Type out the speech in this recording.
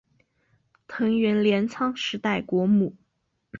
藤原镰仓时代国母。